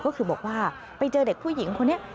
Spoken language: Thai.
ก็คือบอกว่าไปเจอเด็กผู้หญิงคนนี้